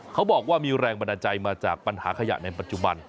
เขาบอกว่ามีแรงบันดาลใจมาจากปัญหาขยะในปัจจุบัน